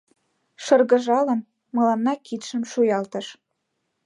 Шыргыжалын, мыланна кидшым шуялтыш: